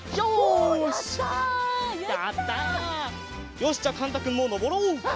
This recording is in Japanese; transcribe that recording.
よしじゃあかんたくんものぼろう！